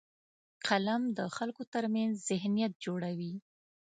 قلم د خلکو ترمنځ ذهنیت جوړوي